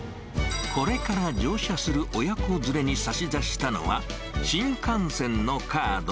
これから乗車する親子連れに差し出したのは、新幹線のカード。